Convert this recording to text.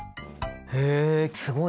へえすごいね。